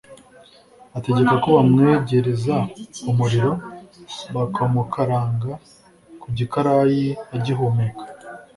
ategeka ko bamwegereza umuriro bakamukaranga ku gikarayi agihumeka